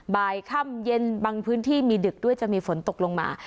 ค่ำเย็นบางพื้นที่มีดึกด้วยจะมีฝนตกลงมา